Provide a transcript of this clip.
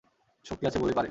শক্তি আছে বলেই পারে।